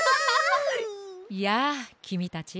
やあきみたち。